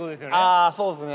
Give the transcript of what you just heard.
あそうですね。